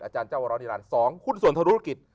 อาจารย์เจ้าวรรณิรันดร์สองคุณส่วนธรุรกิจ